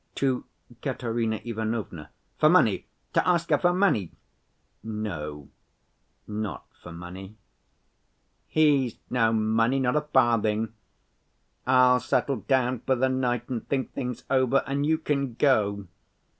"To Katerina Ivanovna." "For money? To ask her for money?" "No. Not for money." "He's no money; not a farthing. I'll settle down for the night, and think things over, and you can go.